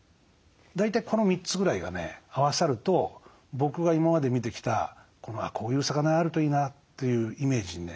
大体この３つぐらいがね合わさると僕が今まで見てきたこういう魚屋あるといいなというイメージにね